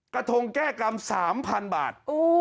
กระทงแก้กรรม๓๐๐๐บาท